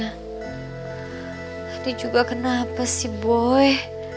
tapi juga kenapa sih boy